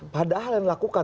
padahal yang dilakukan